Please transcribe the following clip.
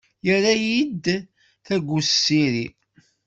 Yerra-iyi-t d tagust s iri.